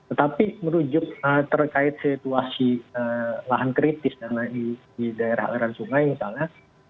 tetapi menuju terkait situasi lahan kritis dan lain di daerah daerah sungai misalnya